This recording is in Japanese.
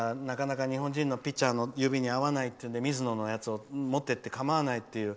日本人のピッチャーの指には合わないということでミズノのやつを持っていって構わないという。